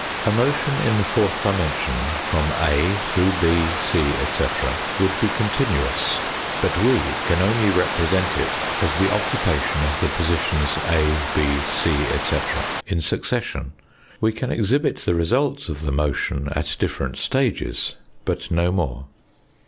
A motion in the fourth dimension from A through B, c, etc., would be continuous, but we can only represent it as the occupation of the positions A, B, c, etc., in succession. We can exhibit the results of the motion at different stages, but no more.